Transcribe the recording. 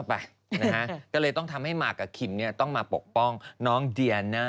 แปลงตัวแบบนี้นะ